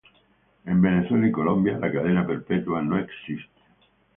En Venezuela y Colombia la cadena perpetua no existe.